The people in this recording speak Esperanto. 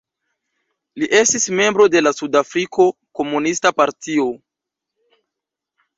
Li estis membro de la Sudafrika Komunista Partio.